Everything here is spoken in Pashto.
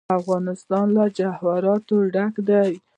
افغانستان له جواهرات ډک دی.